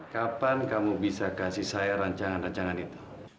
kapan kamu bisa kasih saya rancangan rancangan itu